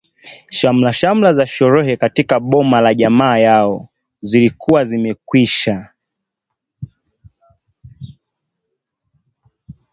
Shamrashamra za sherehe katika boma la jamaa yao zilikuwa zimekwisha